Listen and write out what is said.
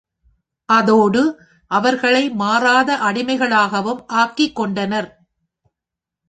அதோடு அவர்களை மாறாத அடிமைகளாகவும் ஆக்கிக்கொண்டனர்.